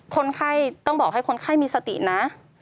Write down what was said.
คนไข้ต้องบอกให้คนไข้มีสตินะ